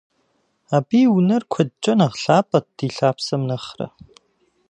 Абы и унэр куэдкӀэ нэхъ лъапӀэт ди лъапсэм нэхърэ.